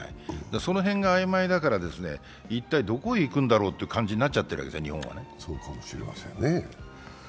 その辺があいまいだから一体どこへ行くんだろうという感じに日本はなっちゃってるんですね。